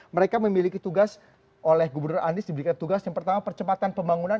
mereka memiliki tugas oleh gubernur anies diberikan tugas yang pertama percepatan pembangunan